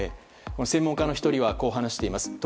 専門家の１人はこう話しています。